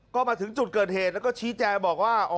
ก็มาถึงจุดเกิดเหตุแล้วก็ชี้แจงบอกว่า